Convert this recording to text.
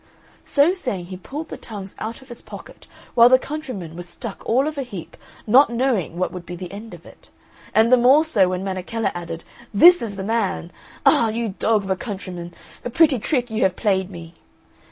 So saying he pulled the tongues out of his pocket, while the countryman was struck all of a heap, not knowing what would be the end of it; and the more so when Menechella added, "This is the man! Ah, you dog of a countryman, a pretty trick you have played me!"